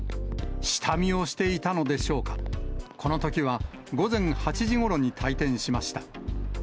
下見をしていたのでしょうか、このときは午前８時ごろに退店しました。